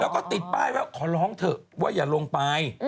แล้วก็ติดป้ายว่าขอร้องเถอะว่าอย่าลงไป